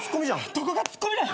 どこがツッコミなん？